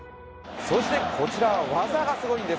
そしてこちらは技がすごいんです。